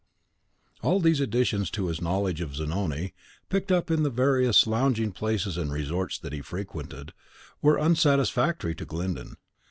All these additions to his knowledge of Zanoni, picked up in the various lounging places and resorts that he frequented, were unsatisfactory to Glyndon.